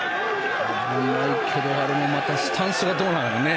危ないけど、あれもまたスタンスがどうなるかね。